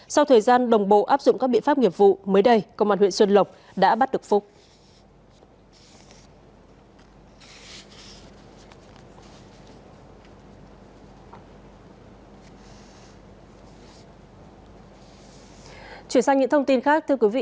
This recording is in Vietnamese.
sau thời gian đồng bộ áp dụng các biện pháp nghiệp vụ mới đây công an huyện xuân lộc đã bắt được phúc